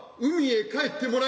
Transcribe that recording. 「海へ帰って」？